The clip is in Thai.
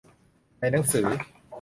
ในหนังสือ